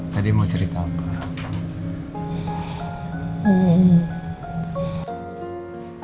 tadi mau cerita apa